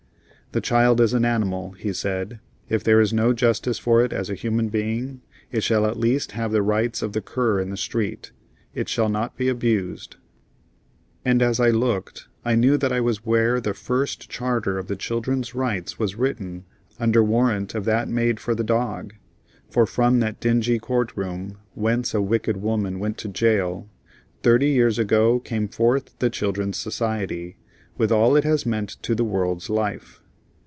"The child is an animal," he said. "If there is no justice for it as a human being, it shall at least have the rights of the cur in the street. It shall not be abused." And as I looked I knew that I was where the first charter of the Children's rights was written under warrant of that made for the dog; for from that dingy court room, whence a wicked woman went to jail, thirty years ago came forth the Children's Society, with all it has meant to the world's life.